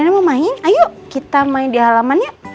rena mau main ayo kita main di halaman yuk